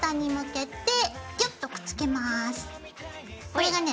これがね